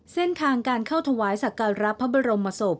เส้นทางการเข้าถวายสักการรับพระบรมศพ